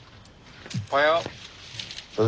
おはよう。